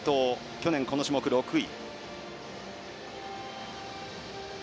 去年、この種目６位。